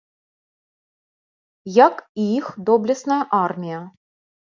Як і іх доблесная армія.